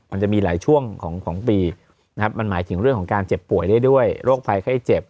มันจะมีหลายช่วงของปีนะครับมันหมายถึงเรื่องของการเจ็บป่วยได้ด้วยโรคภัยไข้เจ็บ